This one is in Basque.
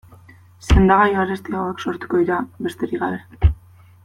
Sendagai garestiagoak sortuko dira, besterik gabe.